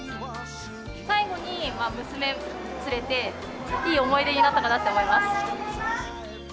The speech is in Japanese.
最後に娘連れて、いい思い出になったかなって思います。